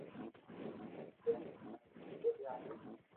ھين جي ني ھمج ۾ ڪوئي اوي